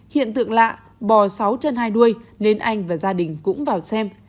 hiện tượng lạ bò sáu chân hai đuôi nên anh và gia đình cũng vào xem